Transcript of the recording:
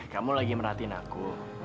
kamu lagi merhatiin aku